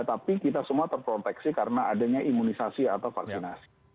tapi kita semua terproteksi karena adanya imunisasi atau vaksinasi